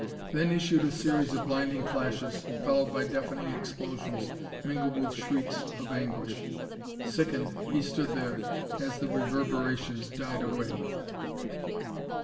Then issued a series of blinding flashes followed by deafening explosions, mingled with shrieks of anguish. Sickened, he stood there, as the reverberations died away.